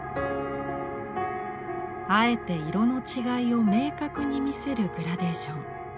あえて色の違いを明確に見せるグラデーション。